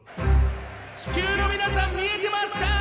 「地球の皆さん見えてますか？」